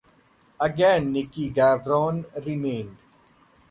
Again Nicky Gavron remained.